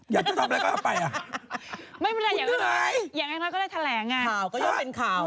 ไม่เป็นไรอย่างนั้นก็ได้แถลงงานค่ะข่าวก็ยกเป็นข่าว